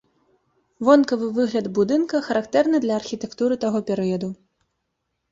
Вонкавы выгляд будынка характэрны для архітэктуры таго перыяду.